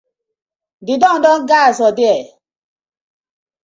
De don don gas for dier.